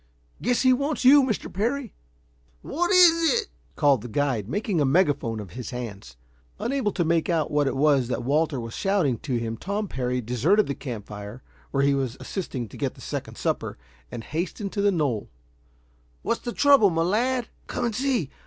Guess he wants you, Mr. Parry." "What is it!" called the guide, making a megaphone of his hands. Unable to make out what it was that Walter was shouting to him, Tom Parry deserted the camp fire, where he was assisting to get the second supper, and hastened to the knoll. "What's the trouble, my lad?" "Come and see.